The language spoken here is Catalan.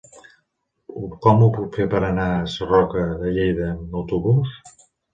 Com ho puc fer per anar a Sarroca de Lleida amb autobús?